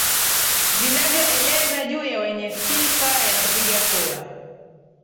vinavyoeleza juu ya wenye sifa ya kupiga kura